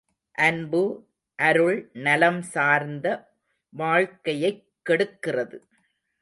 அன்பு, அருள் நலம் சார்ந்த வாழ்க்கையைக் கெடுக்கிறது.